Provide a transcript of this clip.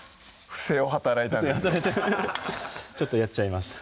不正を働いてちょっとやっちゃいました